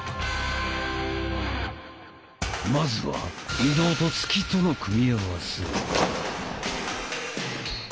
まずは移動と突きとの組み合わせ。